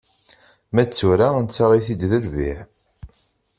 Ma d tura, nettaɣ-it-id d lbiɛ.